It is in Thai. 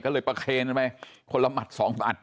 ก็เลยประเคนไปคนละหมัด๒หมัด